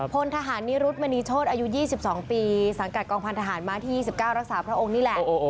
พลทหารนิรุธมณีโชธอายุ๒๒ปีสังกัดกองพันธหารมาที่๒๙รักษาพระองค์นี่แหละ